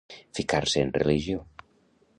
Ficar-se en religió.